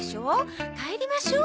帰りましょう。